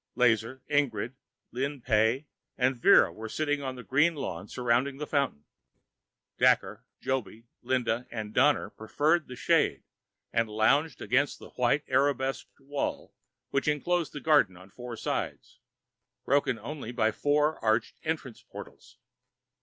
Lazar, Ingrid, Lin Pey and Vera were sitting on the green lawn surrounding the fountain. Daker, Joby, Linda and Donner preferred the shade, and lounged against the white arabesqued wall which enclosed the garden on four sides, broken only by four arched entrance portals.